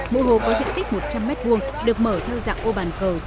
mỗi hố có diện tích một trăm linh m hai được mở theo dạng ô bàn cờ